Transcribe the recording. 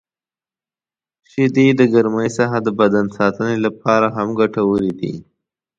• شیدې د ګرمۍ څخه د بدن ساتنې لپاره هم ګټورې دي.